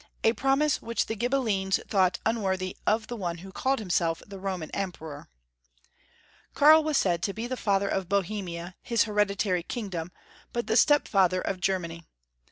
a promise which the Ghibellines thought unworthy of one who called himself the Roman Emperor. Kai'l was said to be the father of Bohemia, his hereditary kingdom, but the step father of Ger many.